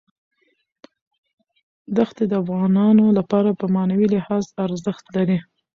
ښتې د افغانانو لپاره په معنوي لحاظ ارزښت لري.